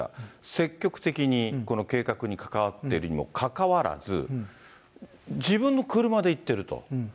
積極的にこの計画に関わっているにもかかわらず、自分の車で行ってると。